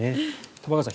玉川さん